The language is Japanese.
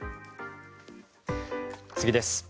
次です。